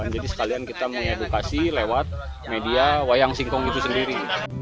jadi sekalian kita mengedukasi lewat media wayang singkong itu sendiri